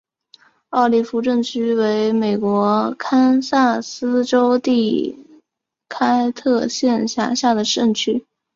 奥利夫镇区为美国堪萨斯州第开特县辖下的镇区。